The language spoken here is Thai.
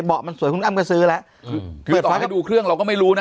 มันสวยคุณอ้ำก็ซื้อแล้วคือต่อให้ดูเครื่องเราก็ไม่รู้นะ